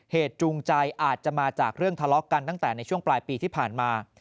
จูงใจอาจจะมาจากเรื่องทะเลาะกันตั้งแต่ในช่วงปลายปีที่ผ่านมา